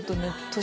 年